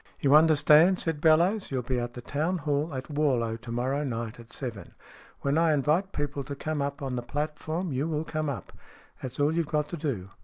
You understand ?" said Bellowes. " You'll be at the town hall at Warlow to morrow night at seven. When I invite people to come up on the platform, you will come up. That's all you've got to do.